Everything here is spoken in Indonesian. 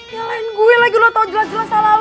nyalahin gue lagi lu tau jelas jelas salah lu